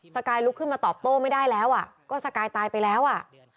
สกายลุกขึ้นมาตอบโต้ไม่ได้แล้วอ่ะก็สกายตายไปแล้วอ่ะ